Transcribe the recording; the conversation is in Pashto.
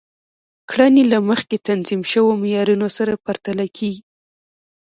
کړنې له مخکې تنظیم شوو معیارونو سره پرتله کیږي.